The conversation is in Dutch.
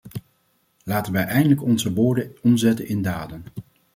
Laten wij eindelijk onze woorden omzetten in daden.